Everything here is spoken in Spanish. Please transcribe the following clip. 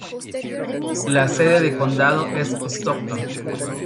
La sede de condado es Stockton.